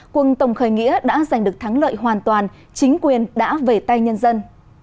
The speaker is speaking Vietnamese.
quân tổng khởi nghĩa đã giành được thắng lợi hoàn toàn chính quyền đã về tay nhân dân